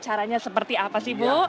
caranya seperti apa sih bu